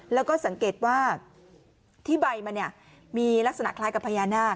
แล้วก็สังเกตว่าที่ใบมันเนี่ยมีลักษณะคล้ายกับพญานาค